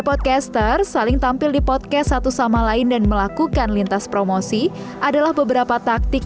podcaster saling tampil di podcast satu sama lain dan melakukan lintas promosi adalah beberapa taktik